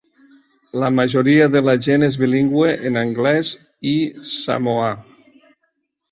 La majoria de la gent és bilingüe en anglès i samoà.